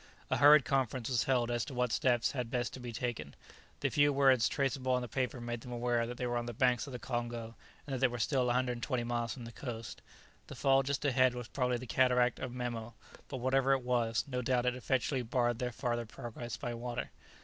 A hurried conference was held as to what steps had best be taken. The few words traceable on the paper made them aware that they were on the banks of the Congo, and that they were still 120 miles from the coast. The fall just ahead was probably the cataract of Memo, but whatever it was, no doubt it effectually barred their farther progress by water.